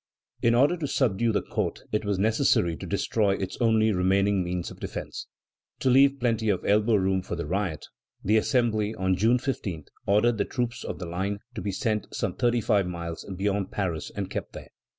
In order to subdue the court, it was necessary to destroy its only remaining means of defence. To leave plenty of elbow room for the riot, the Assembly, on July 15, ordered the troops of the line to be sent some thirty five miles beyond Paris and kept there.